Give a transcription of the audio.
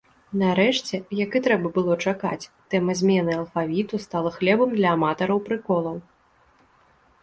Нарэшце, як і трэба было чакаць, тэма змены алфавіту стала хлебам для аматараў прыколаў.